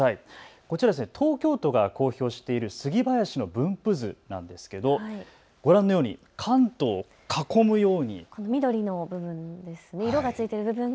こちら東京都が公表しているスギ林の分布図なんですけれどご覧のように関東を囲むように色がついている部分が。